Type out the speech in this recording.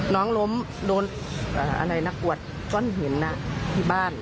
น้องล้มโดนอะไรนะกวดก้อนหินที่บ้าน